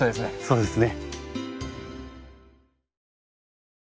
そうですね。